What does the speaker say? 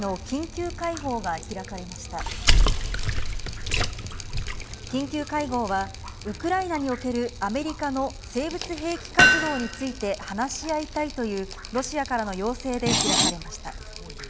緊急会合は、ウクライナにおけるアメリカの生物兵器活動について話し合いたいというロシアからの要請で開かれました。